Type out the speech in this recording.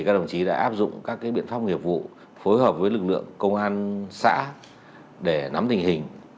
các đồng chí đã áp dụng các biện pháp nghiệp vụ phối hợp với lực lượng công an xã để nắm tình hình